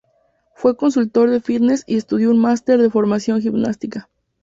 Fue consultor de fitness y estudió un máster de formación gimnástica.